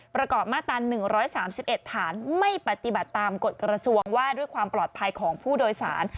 ประกอบมาตรา๑๓๑ฐานไม่ปฏิบัติตามกฎกระทรวงว่าด้วยความปลอดภัยของผู้โดยสาร